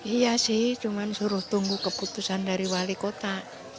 iya sih cuma suruh tunggu keputusan dari wali kota